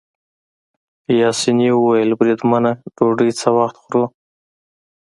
پاسیني وویل: بریدمنه ډوډۍ څه وخت خورو؟